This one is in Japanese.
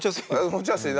持ちやすい。